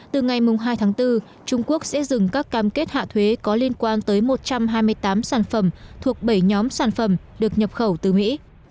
từ ngày hai tháng bốn trung quốc sẽ dừng các cam kết hạ thuế có liên quan tới một trăm hai mươi tám sản phẩm thuộc bảy nhóm sản phẩm được nhập khẩu từ mỹ